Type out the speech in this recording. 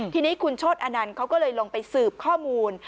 ทีนี้คุณโชธอนันต์เขาก็เลยลงไปสืบข้อมูล